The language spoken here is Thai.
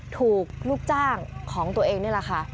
ถูกลูกจ้างของตัวเองนี่แหละค่ะ